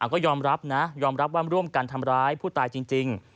ก็ยอมรับนะยอมรับว่าร่วมกันทำร้ายผู้ตายจริง